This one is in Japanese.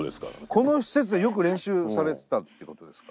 この施設でよく練習されてたっていうことですか？